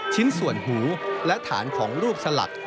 ชิ้นส่วนหูและฐานของรูปสลัก